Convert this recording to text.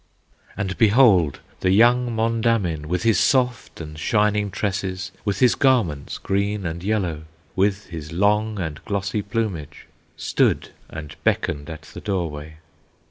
And behold! the young Mondamin, With his soft and shining tresses, With his garments green and yellow, With his long and glossy plumage, Stood and beckoned at the doorway.